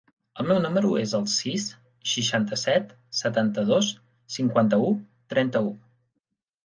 El meu número es el sis, seixanta-set, setanta-dos, cinquanta-u, trenta-u.